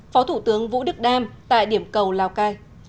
phó thủ tướng vũ đức đam tại điểm cầu lào cai